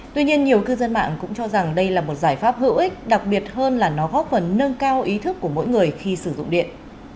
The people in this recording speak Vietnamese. tuy nhiên nhiều cư dân mạng cũng cho rằng đây là một giải pháp hữu ích đặc biệt hơn là nó góp phần nâng cao ý thức của mỗi người khi sử dụng điện